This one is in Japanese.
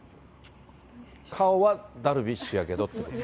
顔はダルビッシュやけどっていうこと。